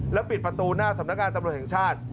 แล้วปิดประตูหน้าสำนักงานตำรวจแห่งชาติ